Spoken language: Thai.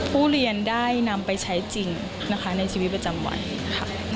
ผู้เรียนได้นำไปใช้จริงนะคะในชีวิตประจำวันค่ะ